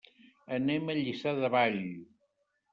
Anem a Lliçà de Vall.